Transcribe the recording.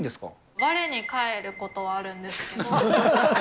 われに返ることはあるんですけど。